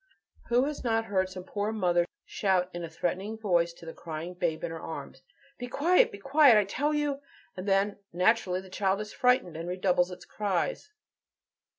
Who has not heard some poor mother shout in a threatening voice to the crying babe in her arms, "Be quiet, be quiet, I tell you!" and then, naturally the child is frightened, and redoubles its cries.